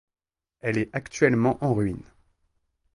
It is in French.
Elle est actuellement en ruines.